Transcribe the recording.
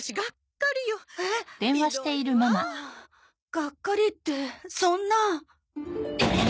がっかりってそんなあ。